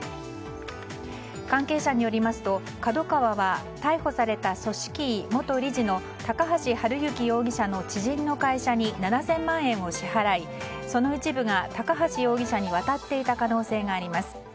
関係者によりますとＫＡＤＯＫＡＷＡは逮捕された組織委元理事の高橋治之容疑者の知人の会社に７０００万円を支払いその一部が高橋容疑者に渡っていた可能性があります。